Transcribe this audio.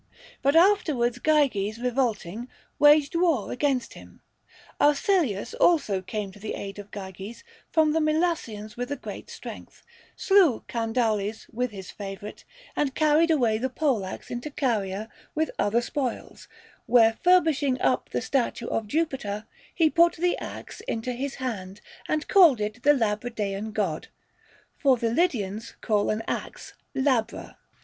But afterwards Gyges revolting waged war against him ; Arselis also came to the aid of Gyges from the Mylassians with a great THE GEEEK QUESTIONS. 287 strength, slew Candaules with his favorite, and carried away the pole axe into Caria with other spoils ; where furbishing np the statue of Jupiter, he put the axe into his hand and called it the Labradean God, — for the Ly dians call an axe labra.